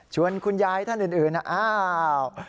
คุณยายท่านอื่นอ้าว